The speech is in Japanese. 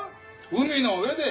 海の上で。